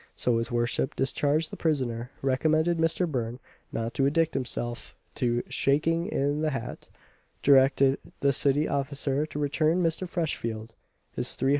So his worship discharged the prisoner; recommended Mister Burn not to addict himself to "shaking in the hat," directed the city officer to return Mr. Freshfield his 300_l.